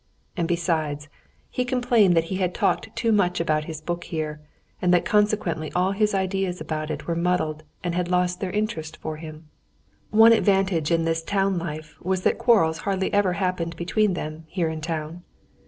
And besides, he complained that he had talked too much about his book here, and that consequently all his ideas about it were muddled and had lost their interest for him. One advantage in this town life was that quarrels hardly ever happened between them here in town.